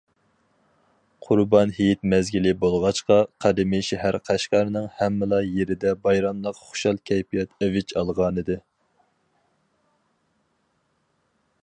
قۇربان ھېيت مەزگىلى بولغاچقا، قەدىمىي شەھەر قەشقەرنىڭ ھەممىلا يېرىدە بايراملىق خۇشال كەيپىيات ئەۋج ئالغانىدى.